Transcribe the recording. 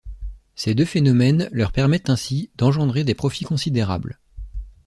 Ces deux phénomènes leur permettent ainsi d'engendrer des profits considérables.